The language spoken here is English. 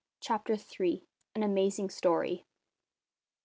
CHAPTER THREE. AN AMAZING STORY.